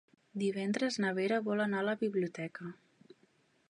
Divendres na Vera vol anar a la biblioteca.